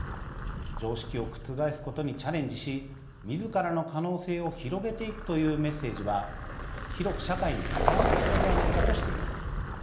常識を覆すことにチャレンジしみずからの可能性を広げていくというメッセージは、広く社会に伝わったのではないか」としています。